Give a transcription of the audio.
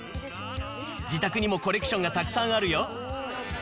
自宅にもコレクションがたくさんあるよ。